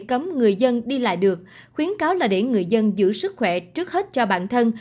cấm người dân đi lại được khuyến cáo là để người dân giữ sức khỏe trước hết cho bản thân